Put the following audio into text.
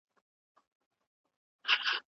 ¬ ها خوا ته يو واله ده، د ښو او بدو لار پر يوه ده.